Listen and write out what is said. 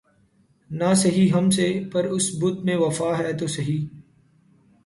نہ سہی ہم سے‘ پر اس بت میں وفا ہے تو سہی